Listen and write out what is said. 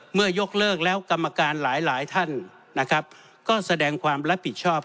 เมื่อยกเลิกแล้วกรรมการหลายท่านก็แสดงความรับผิดชอบ